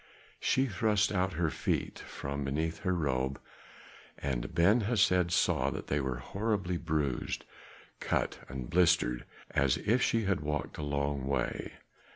She thrust out her feet from beneath her robe, and Ben Hesed saw that they were horribly bruised, cut and blistered, as if she had walked a long way.